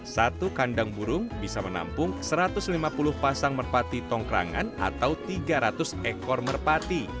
satu kandang burung bisa menampung satu ratus lima puluh pasang merpati tongkrangan atau tiga ratus ekor merpati